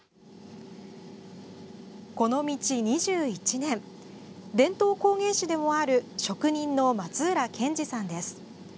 この道２１年伝統工芸士でもある職人の松浦健司さんです。